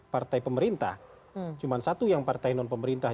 partai pemerintah cuma satu yang partai non pemerintah